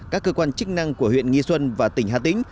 các cơ quan chức năng của huyện nghi xuân và tỉnh hà tĩnh